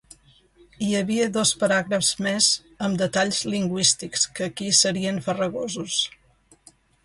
Hi havia dos paràgrafs més amb detalls lingüístics que aquí serien farragosos.